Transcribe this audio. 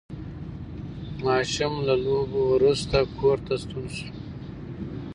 ماشوم له لوبو وروسته کور ته ستون شو